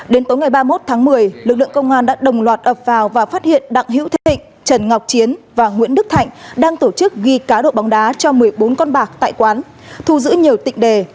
đến tối ngày ba mươi một tháng một mươi lực lượng công an đã đồng loạt ập vào và phát hiện đặng hữu thịnh trần ngọc chiến và nguyễn đức thạnh đang tổ chức ghi cá độ bóng đá cho một mươi bốn con bạc tại quán thu giữ nhiều tịnh đề